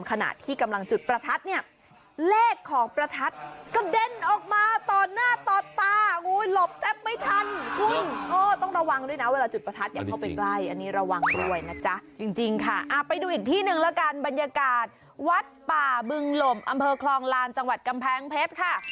ขณะที่กำลังจุดประทัดเนี่ยเลขของประทัดกระเด็นออกมาต่อหน้าต่อตางูหลบแทบไม่ทันคุณโอ้ต้องระวังด้วยนะเวลาจุดประทัดอย่าเข้าไปใกล้อันนี้ระวังด้วยนะจ๊ะจริงค่ะไปดูอีกที่หนึ่งแล้วกันบรรยากาศวัดป่าบึงหล่มอำเภอคลองลานจังหวัดกำแพงเพชรค่ะ